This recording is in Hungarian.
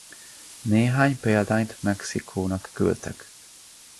Néhány példányt Mexikónak küldtek.